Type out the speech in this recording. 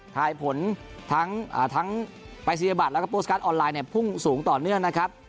ถ่ายผลทั้งไปสนิยบัตรแล้วก็โพสต์การ์ดออนไลน์พุ่งสูงต่อเนื่องนะครับ